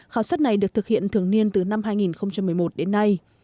khảo sát này được thực hiện thường niên từ năm hai nghìn một mươi một đến nay